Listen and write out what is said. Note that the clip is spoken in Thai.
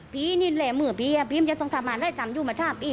พี่นี่แหล่งมือพี่พี่ไม่เคยต้องทำอ่านได้ทำอยู่มาท่าพี่